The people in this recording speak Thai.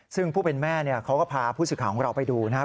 ซึ่งผู้เป็นแม่เขาก็พาผู้สื่อข่าวของเราไปดูนะครับ